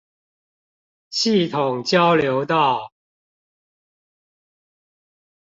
系統交流道